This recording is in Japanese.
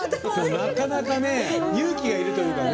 なかなか勇気がいるというかね。